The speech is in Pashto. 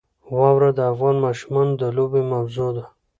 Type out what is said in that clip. واوره د افغان ماشومانو د لوبو موضوع ده.